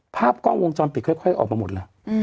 ภาพกล้องวงจรปิดค่อยออกมาหมดแล้ว